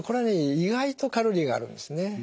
意外とカロリーがあるんですね。